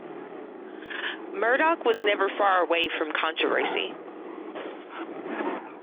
Murdoch was never far from controversy.